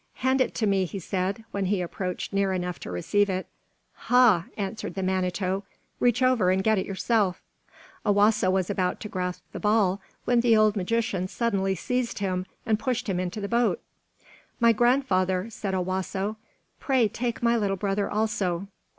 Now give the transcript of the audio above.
"Hand it to me," he said, when he had approached near enough to receive it. "Ha!" answered the Manito, "reach over and get it yourself." Owasso was about to grasp the ball, when the old magician suddenly seized him and pushed him into the boat. "My grandfather," said Owasso, "pray take my little brother also.